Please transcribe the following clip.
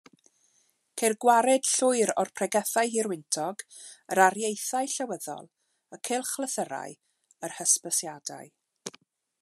Ceir gwared llwyr o'r pregethau hirwyntog, yr areithiau llywyddol, y cylchlythyrau, yr hysbysiadau.